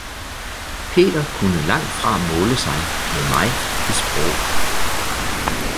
Peter kunne langt fra måle sig med mig i sprog.